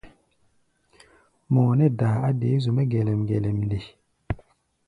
Mɔʼɔ nɛ́ daa a dé zu-mɛ́ gelɛm-gelɛm nde?